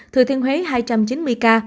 thừa thiên huế hai trăm chín mươi ca